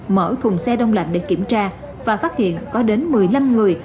mở thùng xe đông lạnh để kiểm tra và phát hiện có đến một mươi năm người